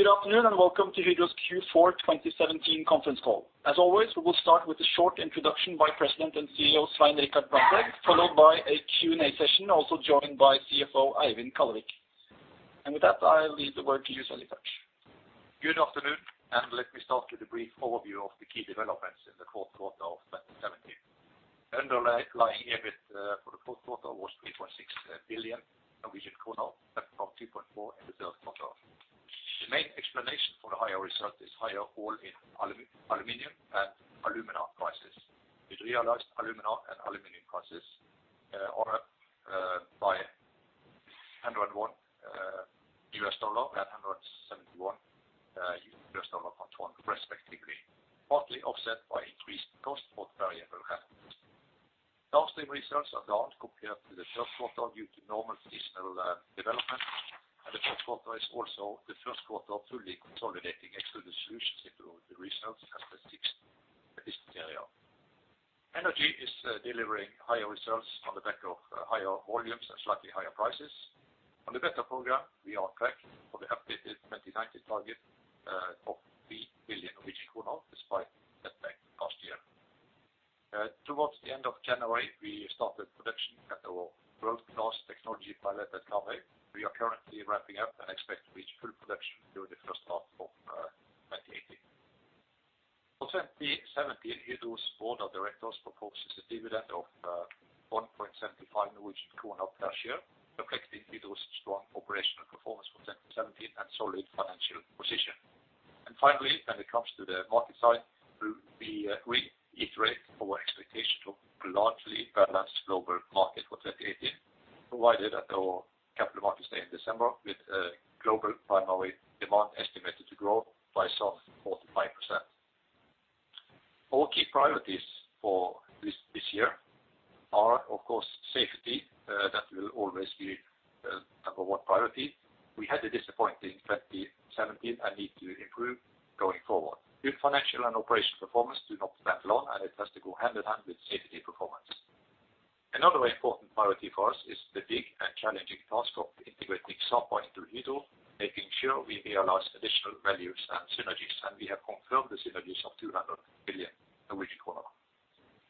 Good afternoon, welcome to Hydro's Q4 2017 conference call. As always, we will start with a short introduction by President and CEO, Svein Richard Brandtzæg, followed by a Q&A session, also joined by CFO Eivind Kallevik. With that, I'll leave the word to you, Svein Richard. Good afternoon. Let me start with a brief overview of the key developments in the fourth quarter of 2017. Underlying EBIT for the fourth quarter was 3.6 billion Norwegian kroner, up from 2.4 in the third quarter. The main explanation for the higher result is higher all-in aluminum and alumina prices, with realized alumina and aluminum prices are by $101 and $171 per ton respectively, partly offset by increased costs, both variable and fixed. Downstream results are down compared to the first quarter due to normal seasonal development. The fourth quarter is also the first quarter fully consolidating Extruded Solutions into the results as the sixth business area. Energy is delivering higher results on the back of higher volumes and slightly higher prices. On the BETTER program, we are on track for the updated 2019 target of 3 billion despite setbacks last year. Towards the end of January, we started production at our world-class technology pilot at Karmøy. We are currently ramping up and expect to reach full production during the first half of 2018. For 2017, Hydro's board of directors proposes a dividend of 1.75 per share, reflecting Hydro's strong operational performance for 2017 and solid financial position. Finally, when it comes to the market side, we iterate our expectation of a largely balanced global market for 2018. Provided at our capital markets day in December with global primary demand estimated to grow by some 4%-5%. Our key priorities for this year are, of course, safety, that will always be the number one priority. We had a disappointing 2017 and need to improve going forward. Good financial and operational performance do not stand alone, and it has to go hand in hand with safety performance. Another important priority for us is the big and challenging task of integrating Sapa into Hydro, making sure we realize additional values and synergies, and we have confirmed the synergies of 200 million Norwegian kroner.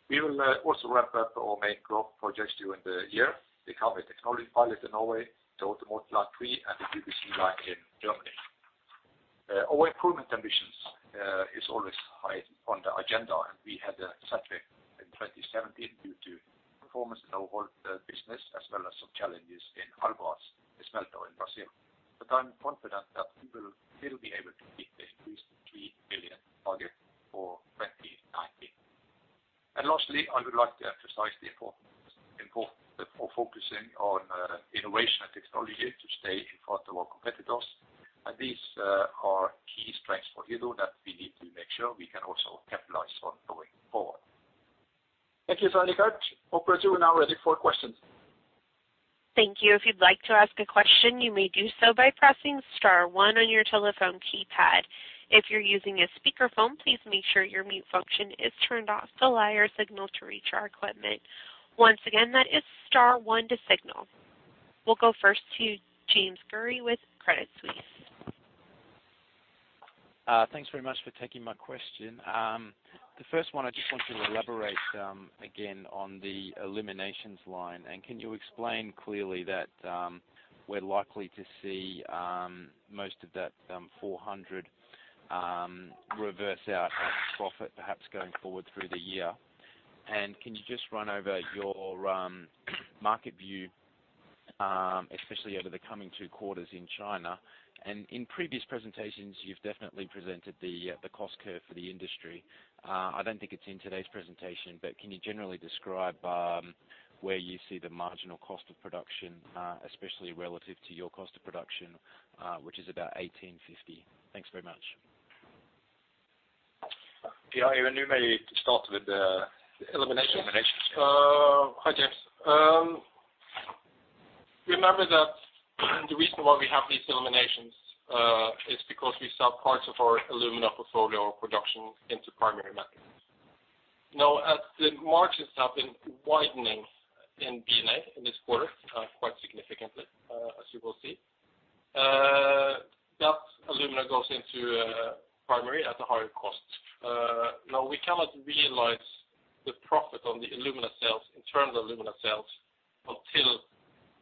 We will also ramp up our main growth projects during the year, the Karmøy technology pilot in Norway, the Automotive Line three, and the PPC line in Germany. Our improvement ambitions, is always high on the agenda, and we had a setback in 2017 due to performance in our whole business as well as some challenges in Alunorte refinery in Brazil. I'm confident that we will still be able to beat the increased 3 billion target for 2019. Lastly, I would like to emphasize the importance for focusing on innovation and technology to stay in front of our competitors. These are key strengths for Hydro that we need to make sure we can also capitalize on going forward. Thank you, Svein Richard. Operators, we're now ready for questions. Thank you. If you'd like to ask a question, you may do so by pressing star one on your telephone keypad. If you're using a speakerphone, please make sure your mute function is turned off to allow your signal to reach our equipment. Once again, that is star one to signal. We'll go first to James Gurry with Credit Suisse. Thanks very much for taking my question. The first one, I just want to elaborate again, on the eliminations line. Can you explain clearly that we're likely to see most of that 400 million reverse out as profit, perhaps going forward through the year? Can you just run over your market view, especially over the coming two quarters in China? In previous presentations, you've definitely presented the cost curve for the industry. I don't think it's in today's presentation, but can you generally describe where you see the marginal cost of production, especially relative to your cost of production, which is about 1,850? Thanks very much. Eivind you may start with the elimination. Hi, James. Remember that the reason why we have these eliminations is because we sell parts of our alumina portfolio production into primary metals. As the margins have been widening in B&A in this quarter, quite significantly, as you will see, that alumina goes into primary at a higher cost. Now we cannot realize the profit on the alumina sales in terms of alumina sales until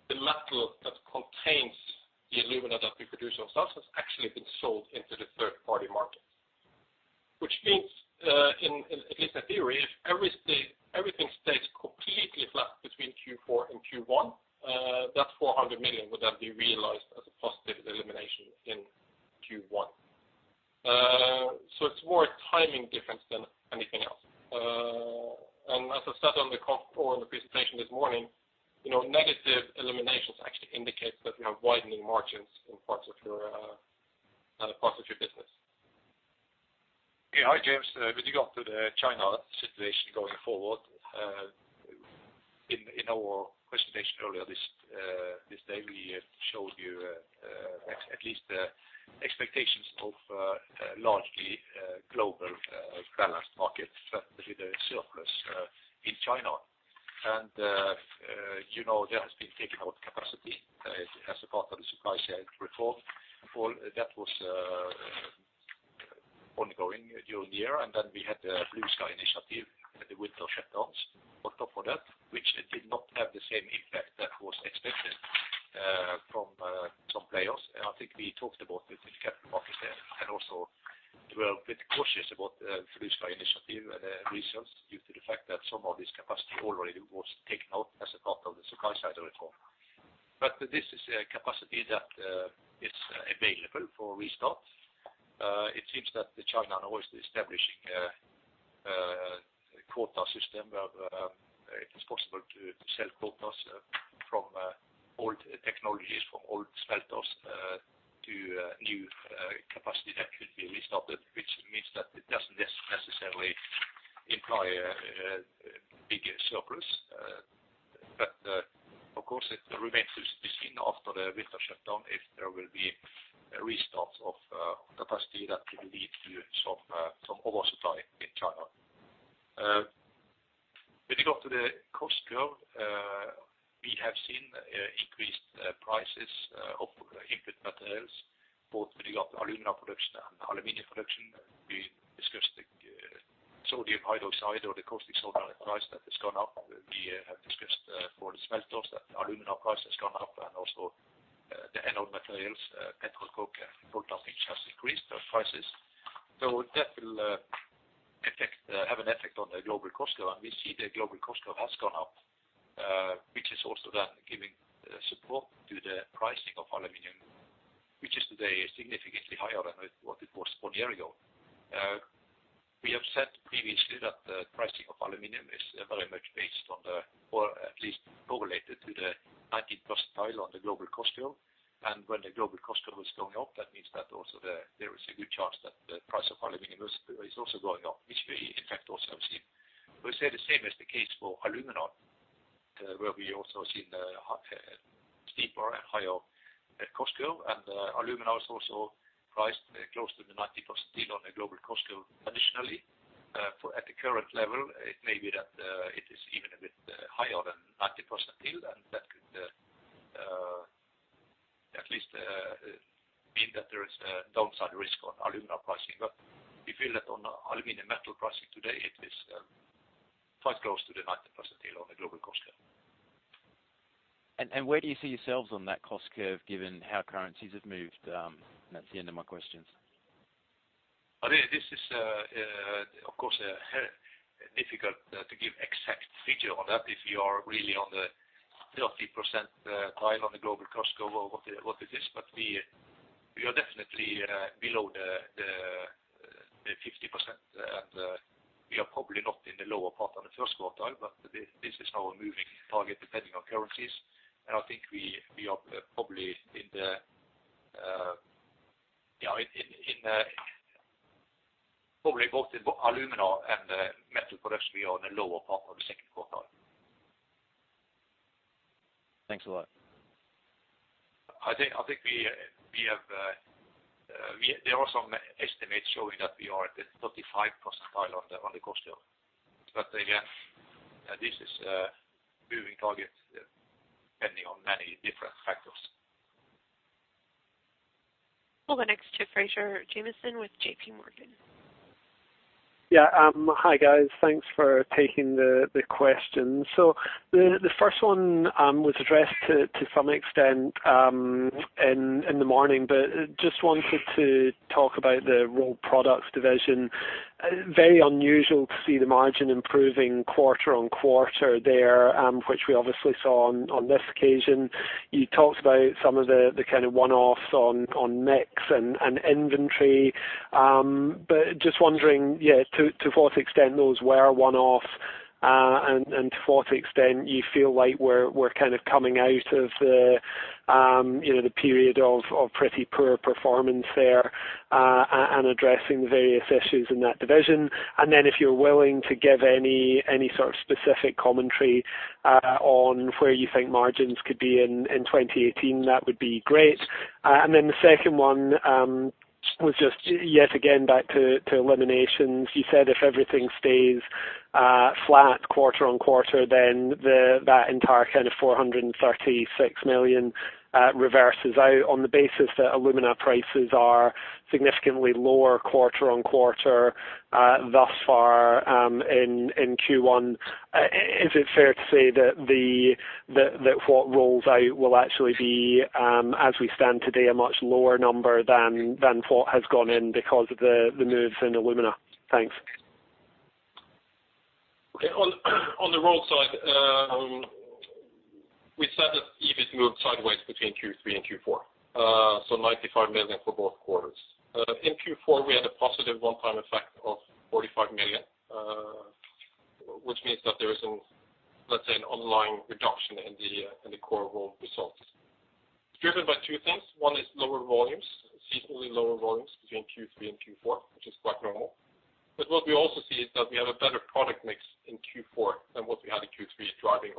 the metal that contains the alumina that we produce ourselves has actually been sold into the third-party market. Which means, in at least in theory, if everything stays completely flat between Q4 and Q1, that 400 million would then be realized as a positive elimination in Q1. It's more a timing difference than anything else. As I said on the presentation this morning, you know, negative eliminations actually indicate that we have widening margins in parts of your parts of your business. Yeah. Hi, James. With regard to the China situation going forward, in our presentation earlier this day, we showed you at least the expectations of largely global balanced market, certainly with a surplus in China. You know there has been taking out capacity as a part of the supply chain reform. All that was ongoing during the year, and then we had the Blue Sky initiative at the winter shutdowns on top of that, which did not have the same impact that was expected from some players. I think we talked about it with capital markets there and also were a bit cautious about Blue Sky initiative and the results due to the fact that some of this capacity already was taken out as a part of the supply side reform. This is a capacity that is available for restart. It seems that China now is establishing a quota system, where it is possible to sell quotas from old technologies, from old smelters, to new capacity that could be restarted, which means that it doesn't necessarily imply a big surplus. Of course it remains to be seen after the winter shutdown if there will be a restart of capacity that could lead to some oversupply in China. When you go to the cost curve, we have seen increased prices of input materials, both with regard to alumina production and aluminum production. We discussed the sodium hydroxide or the caustic soda price that has gone up. We have discussed for the smelters that alumina price has gone up and also the anode materials, petroleum coke and coal tar pitch has increased their prices. That will have an effect on the global cost curve. We see the global cost curve has gone up, which is also then giving support to the pricing of aluminum, which is today significantly higher than it was one year ago. We have said previously that the pricing of aluminum is very much based on the, or at least correlated to the 90th percentile on the global cost curve. When the global cost curve is going up, that means that there is a good chance that the price of aluminum is also going up, which we in fact also have seen. We say the same is the case for alumina, where we also have seen a steeper and higher cost curve. Alumina is also priced close to the 90th percentile on a global cost curve. Additionally, for at the current level, it may be that it is even a bit higher than 90th percentile, and that could at least mean that there is a downside risk on alumina pricing. We feel that on aluminum metal pricing today, it is quite close to the 90th percentile on the global cost curve. Where do you see yourselves on that cost curve given how currencies have moved? That's the end of my questions. This is, of course, difficult to give exact figure on that if you are really on the 30% tile on the global cost curve or what it is. We, we are definitely below the 50%, and we are probably not in the lower part of the first quartile, but this is now a moving target depending on currencies. I think we are probably in the, yeah, in, probably both in alumina and metal products, we are on the lower part of the second quartile. Thanks a lot. I think there are some estimates showing that we are at the 35 percentile on the cost curve. Again, this is a moving target depending on many different factors. We'll go next to Fraser Jamieson with JPMorgan. Yeah. Hi, guys. Thanks for taking the questions. The first one was addressed to some extent in the morning. Just wanted to talk about the Rolled Products division. Very unusual to see the margin improving quarter-on-quarter there, which we obviously saw on this occasion. You talked about some of the kind of one-offs on mix and inventory. Just wondering, yeah, to what extent those were one-off and to what extent you feel like we're kind of coming out of the, you know, the period of pretty poor performance there and addressing various issues in that division. If you're willing to give any sort of specific commentary on where you think margins could be in 2018, that would be great. The second one was just, yet again, back to eliminations. You said if everything stays flat quarter-on-quarter, then that entire kind of 436 million reverses out on the basis that alumina prices are significantly lower quarter-on-quarter thus far in Q1. Is it fair to say that what rolls out will actually be, as we stand today, a much lower number than what has gone in because of the moves in alumina? Thanks. On the Rolled Products side, we said that EBIT moved sideways between Q3 and Q4, 95 million for both quarters. In Q4, we had a positive one-time effect of 45 million, which means that there is an online reduction in the core Rolled Products results. It's driven by two things. One is lower volumes, seasonally lower volumes between Q3 and Q4, which is quite normal. What we also see is that we have a better product mix in Q4 than what we had in Q3, driving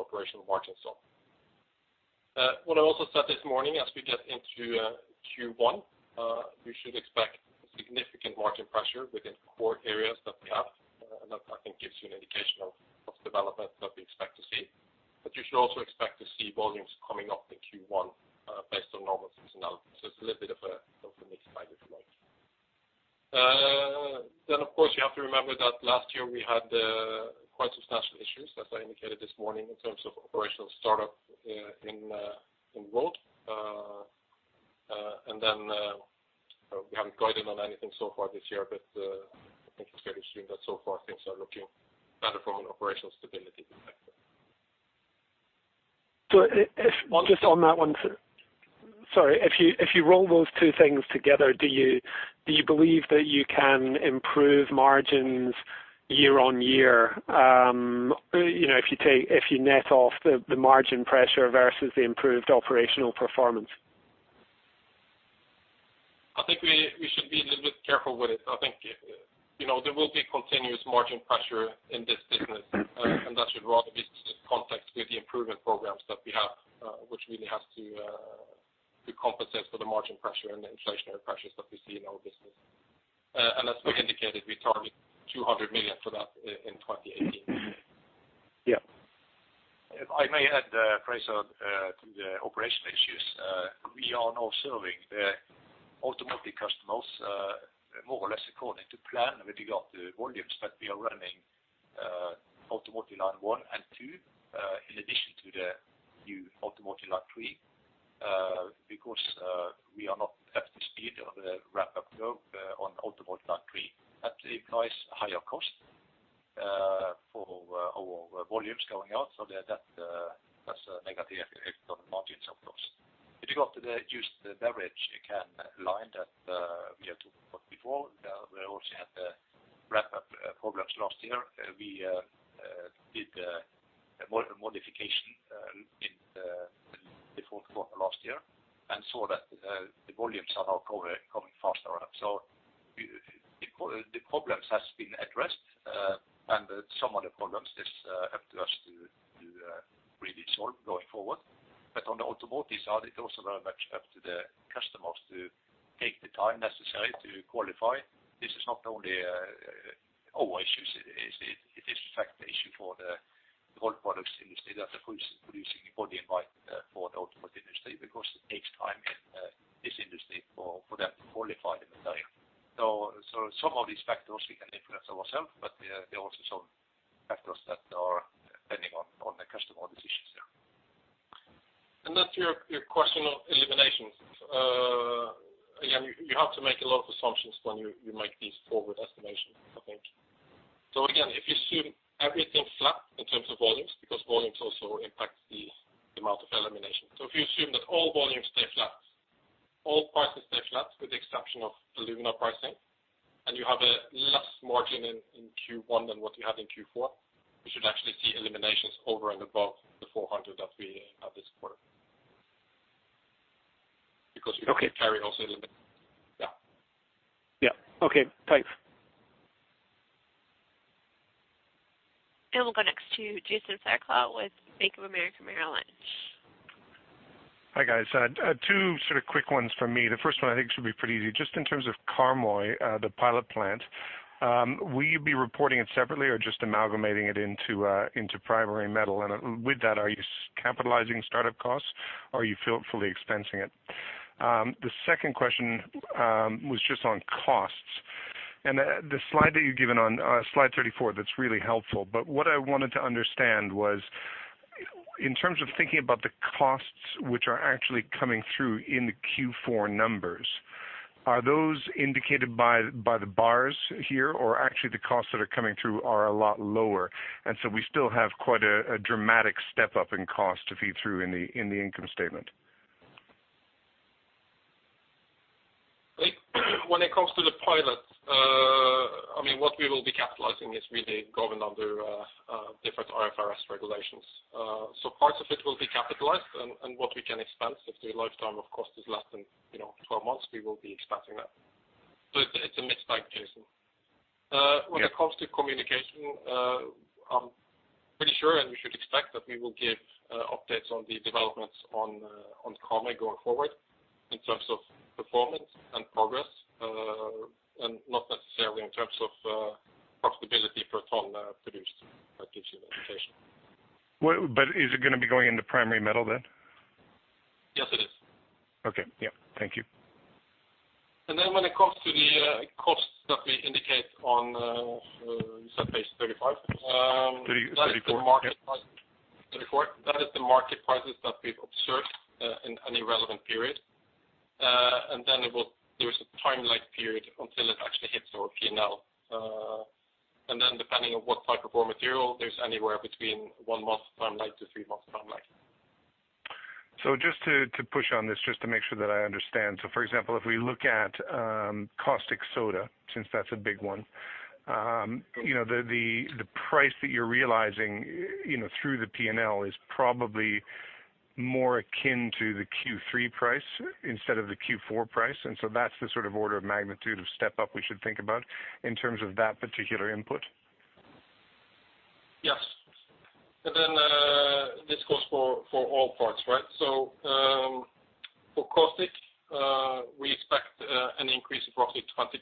operational margin. What I also said this morning, as we get into Q one, we should expect significant margin pressure within the core areas that we have. That I think gives you an indication of development that we expect to see. You should also expect to see volumes coming up in Q one, based on normal seasonality. It's a little bit of a, of a mixed bag, if you like. Of course, you have to remember that last year we had quite substantial issues, as I indicated this morning, in terms of operational startup, in world. Then, we haven't guided on anything so far this year, but I think it's fair to assume that so far things are looking better from an operational stability perspective. Well, just on that one. Sorry, if you roll those two things together, do you believe that you can improve margins year-on-year? You know, if you net off the margin pressure versus the improved operational performance. I think we should be a little bit careful with it. I think, you know, there will be continuous margin pressure in this business. That should rather be context with the improvement programs that we have, which really has to compensate for the margin pressure and the inflationary pressures that we see in our business. As we indicated, we target 200 million for that in 2018. Yeah. If I may add, Fraser, to the operational issues, we are now serving the automotive customers, more or less according to plan with regard to volumes, but we are running Automotive Line 1 and 2 in addition to the new Automotive Line 3 because we are not at the speed of the ramp-up curve on Automotive Line 3. That implies a higher cost for our volumes going out. That's a negative effect on margins, of course. If you go to the juice, the beverage can line that we have talked about before, we also had the ramp-up problems last year. We did a modification in the fourth quarter last year and saw that the volumes are now coming faster. The problems has been addressed, and some of the problems this up to us to really solve going forward. On the automotive side, it's also very much up to the customers to take the time necessary to qualify. This is not only our issues, it is in fact the issue for the whole products industry that are producing body in white for the automotive industry, because it takes time in this industry for them to qualify the material. Some of these factors we can influence ourselves, but there are also some factors that are depending on the customer decisions there. That's your question of eliminations. Again, you have to make a lot of assumptions when you make these forward estimations, I think. Again, if you assume everything flat in terms of volumes, because volumes also impact the amount of elimination. If you assume that all volumes stay flat, all prices stay flat with the exception of alumina pricing, and you have a less margin in Q1 than what you had in Q4, you should actually see eliminations over and above the 400 million that we have this quarter. We carry also a little bit. Yeah. Yeah. Okay. Thanks. We'll go next to Jason Fairclough with Bank of America Merrill Lynch. Hi, guys. two sort of quick ones for me. The first one I think should be pretty easy. Just in terms of Karmøy, the pilot plant, will you be reporting it separately or just amalgamating it into primary metal? With that, are you capitalizing startup costs or are you fully expensing it? The second question was just on costs. The slide that you've given on slide 34, that's really helpful. What I wanted to understand was in terms of thinking about the costs which are actually coming through in the Q4 numbers, are those indicated by the bars here, or actually the costs that are coming through are a lot lower, and so we still have quite a dramatic step up in cost to feed through in the income statement? When it comes to the pilot, I mean, what we will be capitalizing is really governed under different IFRS regulations. Parts of it will be capitalized and what we can expense if the lifetime of cost is less than, you know, 12 months, we will be expensing that. It's, it's a mixed bag, Jason. When it comes to communication, I'm pretty sure, and you should expect that we will give updates on the developments on Karmøy going forward in terms of performance and progress, and not necessarily in terms of profitability per ton produced. That gives you an indication. Is it going to be going into primary metal then? Yes, it is. Okay. Yeah. Thank you. When it comes to the, costs that we indicate on, is that page 35? 34. That is the market prices. 34. That is the market prices that we've observed in any relevant period. There is a time lag period until it actually hits our P&L. Depending on what type of raw material, there's anywhere between one month time lag to three months time lag. Just to push on this, just to make sure that I understand. For example, if we look at caustic soda, since that's a big one, you know, the price that you're realizing, you know, through the P&L is probably more akin to the Q3 price instead of the Q4 price. That's the sort of order of magnitude of step up we should think about in terms of that particular input? Yes. This goes for all parts, right? For caustic, we expect an increase of roughly 20%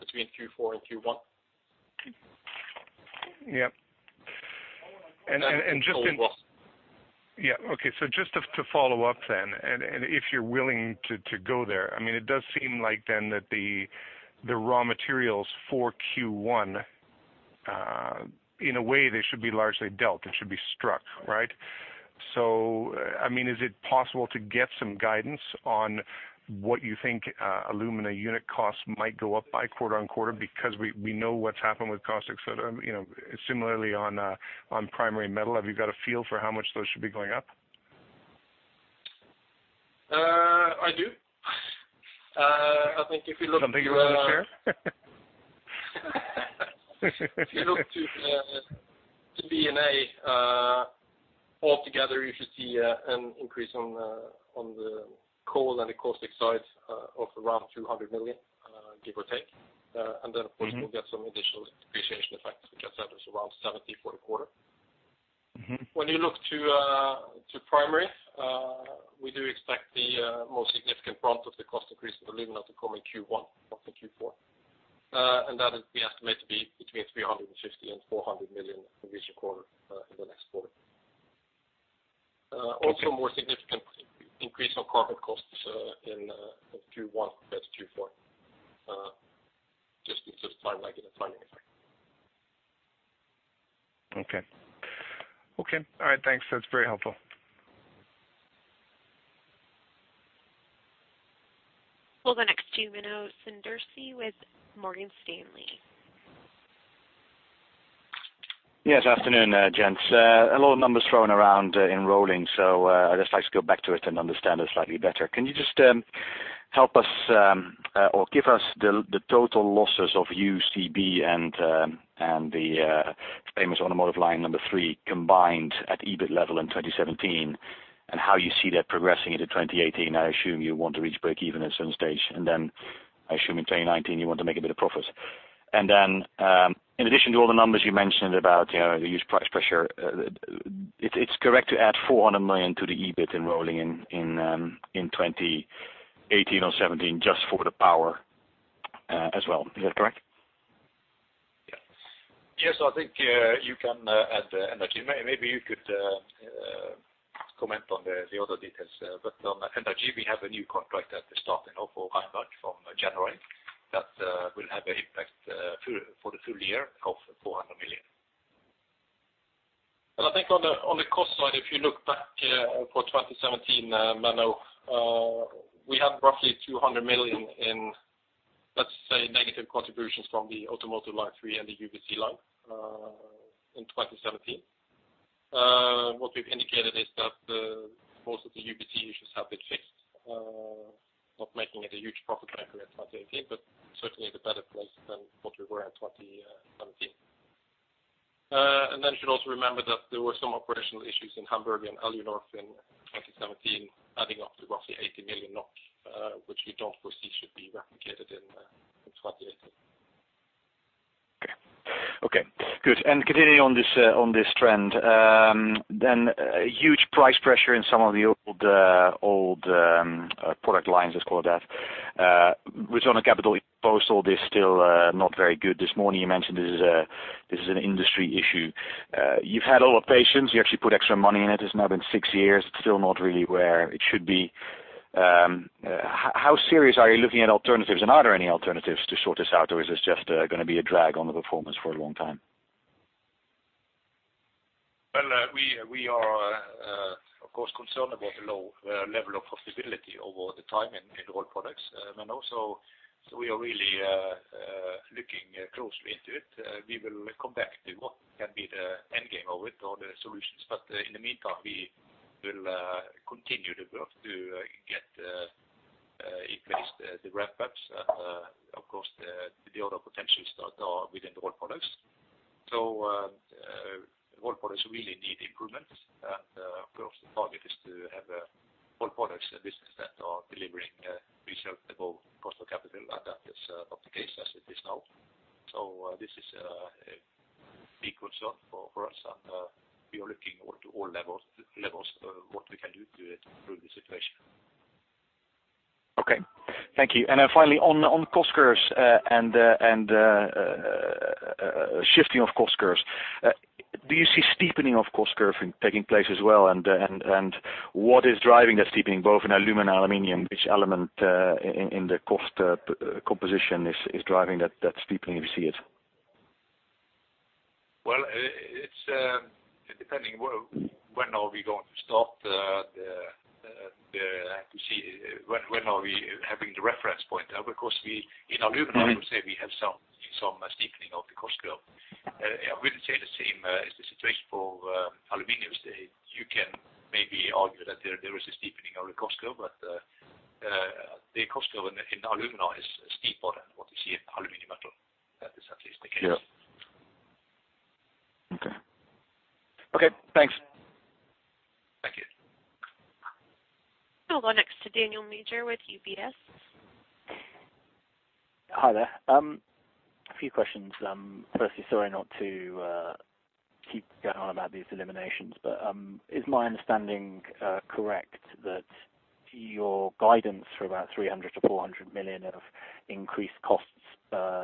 between Q4 and Q1. Yep. That's for what? Yeah. Okay. just to follow up then, and if you're willing to go there, I mean, it does seem like then that the raw materials for Q1, in a way, they should be largely dealt, it should be struck, right? I mean, is it possible to get some guidance on what you think, alumina unit costs might go up by quarter-on-quarter? Because we know what's happened with caustic. you know, similarly on primary metal, have you got a feel for how much those should be going up? I do. I think if you look Something you wanna share? If you look to B&A, all together, you should see, an increase on the coal and the caustic side, of around 200 million, give or take. Mm-hmm. Of course, we'll get some additional depreciation effects, like I said, it's around 70 million for the quarter. Mm-hmm. When you look to primary, we do expect the most significant brunt of the cost increase of alumina to come in Q1 of the Q4. That is, we estimate to be between 350 million and 400 million in each quarter, in the next quarter. Also more significant increase on carbon costs, in Q1 versus Q4, just because of time lag and the timing effect. Okay. Okay, all right, thanks. That's very helpful. We'll go next to Menno Sanderse with Morgan Stanley. Afternoon, gents. A lot of numbers thrown around in rolling. I'd just like to go back to it and understand it slightly better. Can you just help us or give us the total losses of UCB and the famous Automotive Line three combined at EBIT level in 2017, and how you see that progressing into 2018? I assume you want to reach break even at some stage. I assume in 2019 you want to make a bit of profit. In addition to all the numbers you mentioned about, you know, the huge price pressure, it's correct to add 400 million to the EBIT in rolling in 2018 or 2017 just for the power as well. Is that correct? Yeah. I think, you can add energy. Maybe you could comment on the other details. On energy, we have a new contract at the start, you know, for Hamburg from January that will have a impact for the full-year of 400 million. I think on the, on the cost side, if you look back, for 2017, Menno, we had roughly 200 million in, let's say, negative contributions from the Automotive Line three and the UCB line, in 2017. What we've indicated is that, most of the UCB issues have been fixed. Not making it a huge profit maker in 2018, but certainly in a better place than what we were at 2017. You should also remember that there were some operational issues in Hamburg and Alunorte in 2017, adding up to roughly 80 million NOK, which we don't foresee should be replicated in 2018. Okay. Okay, good. Continuing on this on this trend, then a huge price pressure in some of the old, product lines, let's call it that, which on a capital [inaudible] is still not very good. This morning you mentioned this is, this is an industry issue. You've had a lot of patience. You actually put extra money in it. It's now been six years. It's still not really where it should be. How serious are you looking at alternatives, and are there any alternatives to sort this out, or is this just gonna be a drag on the performance for a long time? we are, of course, concerned about the low level of profitability over the time in Rolled Products. we are really looking closely into it. We will come back to what can be the end game of it or the solutions. in the meantime, we will continue the work to get in place the ramp ups and, of course, the other potential start within the Rolled Products. Rolled Products really need improvements. of course, the target is to have Rolled Products business that are delivering return above cost of capital, and that is not the case as it is now. this is a big concern for us. We are looking at all levels of what we can do to improve the situation. Okay. Thank you. Finally on cost curves, and shifting of cost curves, do you see steepening of cost curve taking place as well? What is driving that steepening, both in alumina, aluminum, which element, in the cost, composition is driving that steepening if you see it? Well, it's depending when are we going to start. To see when are we having the reference point. Because we, in alumina we would say we have some steepening of the cost curve. I wouldn't say the same is the situation for aluminium. You can maybe argue that there is a steepening of the cost curve, but the cost curve in alumina is steeper than what you see in aluminium metal. That is at least the case. Yeah. Okay. Okay, thanks. We'll go next to Daniel Major with UBS. Hi there. A few questions. Firstly, sorry not to keep going on about these eliminations, but, is my understanding correct that your guidance for about 300 million-400 million of increased costs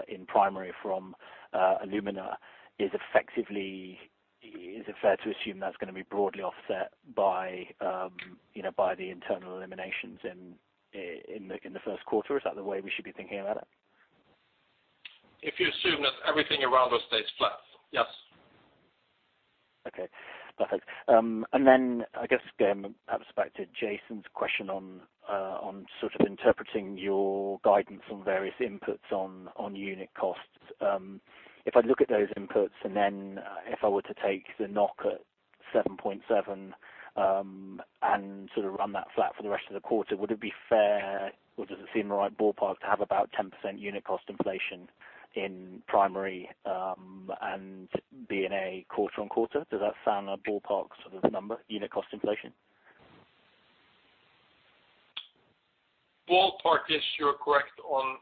in primary from alumina is effectively, is it fair to assume that's gonna be broadly offset by, you know, by the internal eliminations in the first quarter? Is that the way we should be thinking about it? If you assume that everything around us stays flat, yes. Okay. Perfect. I guess going perhaps back to Jason's question on sort of interpreting your guidance on various inputs on unit costs. If I look at those inputs, if I were to take the NOK at 7.7% and sort of run that flat for the rest of the quarter, would it be fair or does it seem the right ballpark to have about 10% unit cost inflation in primary and B&A quarter-over-quarter? Does that sound a ballpark sort of number, unit cost inflation? Ballpark, yes, you're correct on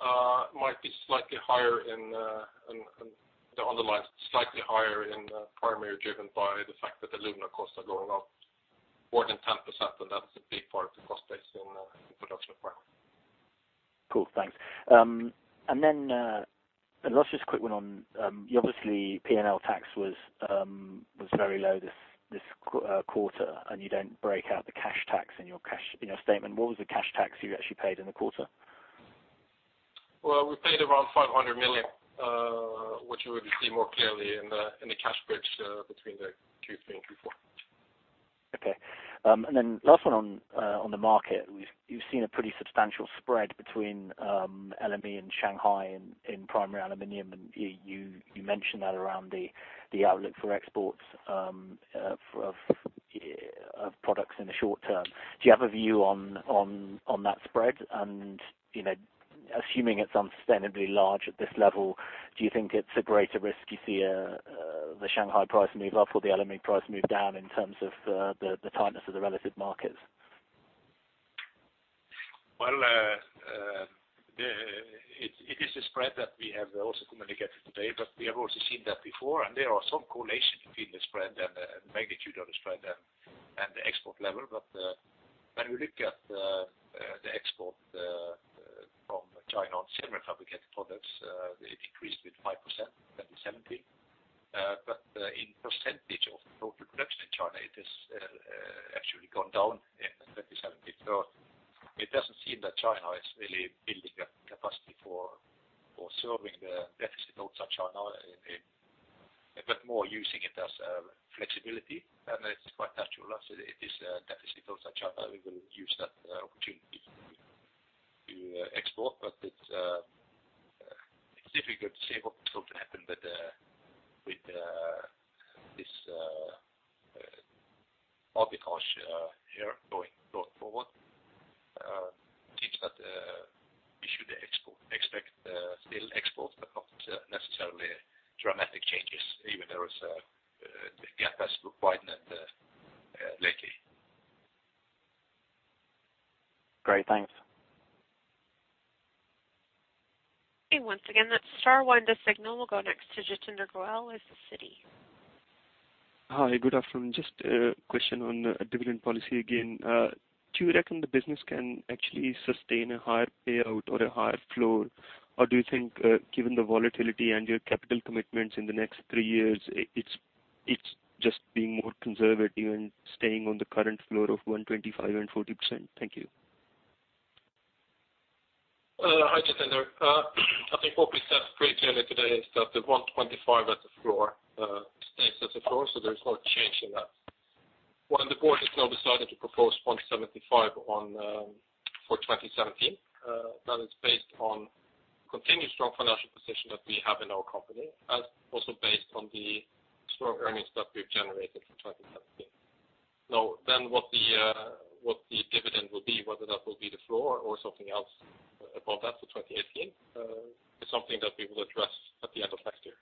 B&A. Might be slightly higher in the underlying, slightly higher in the primary, driven by the fact that alumina costs are going up more than 10%. That's a big part of the cost base in the production part. Cool, thanks. Last just quick one on, obviously P&L tax was very low this quarter, and you don't break out the cash tax in your cash, in your statement. What was the cash tax you actually paid in the quarter? We paid around 500 million, which you will see more clearly in the cash bridge, between the Q3 and Q4. Okay. Last one on the market. You've seen a pretty substantial spread between LME and Shanghai in primary aluminum, and you mentioned that around the outlook for exports of products in the short term. Do you have a view on that spread? You know, assuming it's unsustainably large at this level, do you think it's a greater risk you see the Shanghai price move up or the LME price move down in terms of the tightness of the relative markets? Well, it is a spread that we have also communicated today, but we have also seen that before. There are some correlation between the spread and the magnitude of the spread and the export level. When we look at the export from China on semi-fabricated products, they decreased with 5% in 2017. But in percentage of total production in China, it has actually gone down in 2017. It doesn't seem that China is really building up capacity for serving the deficit outside China. A bit more using it as flexibility. It's quite natural. It is a deficit outside China. We will use that opportunity to export. It's difficult to say what will totally happen with this arbitrage here going forward. It's not, we should expect still export, but not necessarily dramatic changes, even there is the gap has widened lately. Great. Thanks. Once again, that's star one to signal. We'll go next to Jatinder Goel with the Citi. Hi, good afternoon. Just a question on the dividend policy again. Do you reckon the business can actually sustain a higher payout or a higher floor? Do you think, given the volatility and your capital commitments in the next three years, it's just being more conservative and staying on the current floor of 1.25 and 40%? Thank you. Hi, Jatinder Goel. I think what we said pretty clearly today is that the 125 million at the floor stays at the floor. There is no change in that. The board has now decided to propose 175 million for 2017. That is based on continued strong financial position that we have in our company, as also based on the strong earnings that we've generated for 2017. What the dividend will be, whether that will be the floor or something else above that for 2018, is something that we will address at the end of next year.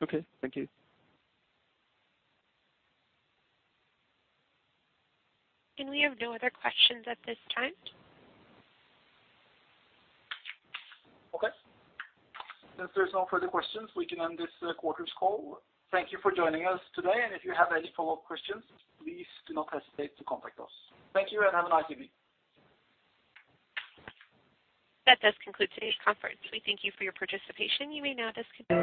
Okay. Thank you. We have no other questions at this time. Okay. If there's no further questions, we can end this quarters call. Thank you for joining us today. If you have any follow-up questions, please do not hesitate to contact us. Thank you. Have a nice evening. That does conclude today's conference. We thank you for your participation. You may now disconnect.